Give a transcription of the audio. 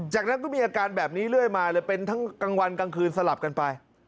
จากนั้นก็มีอาการแบบนี้เรื่อยมาเลยเป็นทั้งกลางวันกลางคืนสลับกันไป